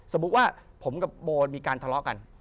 สมมุติว่าผมกับโบมีการทะเลาะกัน